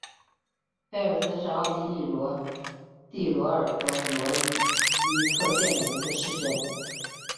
菲尔斯是奥地利蒂罗尔州罗伊特县的一个市镇。